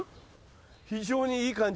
非常にいい感じ。